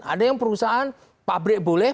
ada yang perusahaan pabrik boleh